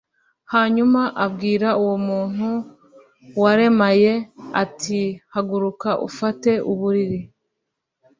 hanyuma abwira uwo muntu waremaye ati haguruka ufate uburiri